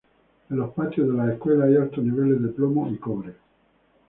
En los patios de las escuelas hay altos niveles de plomo y cobre.